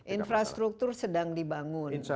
infrastruktur sedang dibangun